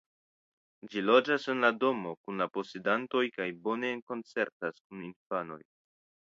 Ĝi loĝas en la domo kun la posedantoj kaj bone interkonsentas kun infanoj.